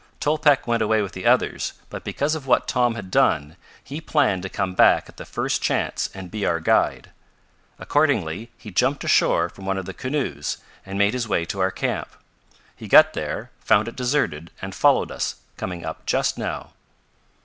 Tolpec went away with the others, but because of what Tom had done he planned to come back at the first chance and be our guide. Accordingly he jumped ashore from one of the canoes, and made his way to our camp. He got there, found it deserted and followed us, coming up just now."